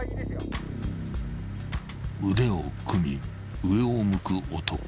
［腕を組み上を向く男］